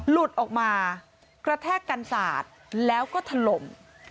หลุดออกมากระแทกกันสาดแล้วก็ถล่ม